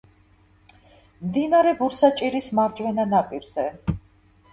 მდინარე ბურსაჭირის მარჯვენა ნაპირზე.